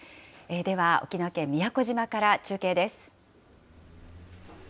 では、沖縄県宮古島から中継です。